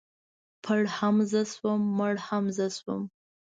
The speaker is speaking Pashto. ـ پړ هم زه شوم مړ هم زه شوم.